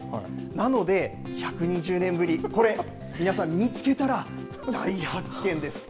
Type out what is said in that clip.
なので、１２０年ぶり、これ、皆さん見つけたら大発見です。